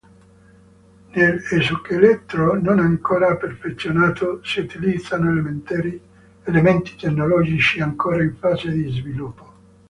Nell'esoscheletro, non ancora perfezionato, si utilizzano elementi tecnologici ancora in fase di sviluppo.